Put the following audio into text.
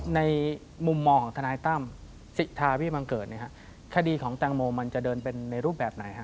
ในมุมมองของทนายตั้มสิทธาวิบังเกิดคดีของแตงโมมันจะเดินเป็นในรูปแบบไหนฮะ